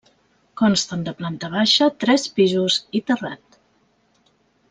Consten de planta baixa, tres pisos i terrat.